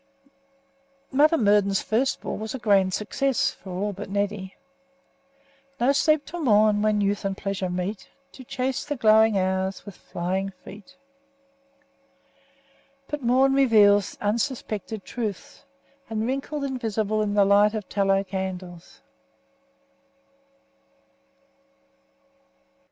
Mother Murden's first ball was a grand success for all but Neddy. "No sleep till morn when youth and pleasure meet, To chase the glowing hours with flying feet." But morn reveals unsuspected truths, and wrinkled invisible in the light of tallow candles.